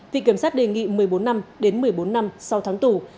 viện kiểm sát đề nghị một mươi bốn năm đến một mươi bốn năm sau tháng tù